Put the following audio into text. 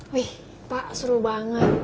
wih pak seru banget